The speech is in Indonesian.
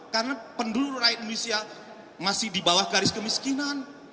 karena penduduk rakyat indonesia masih di bawah garis kemiskinan